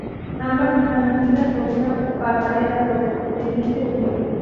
Ambas están unidas por una pasarela sobre Teniente Cruz.